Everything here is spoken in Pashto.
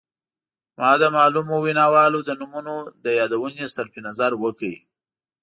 ما د معلومو ویناوالو د نومونو له یادونې صرف نظر وکړ.